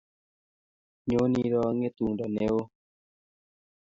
Nyon iroo ng'etundo ne oo.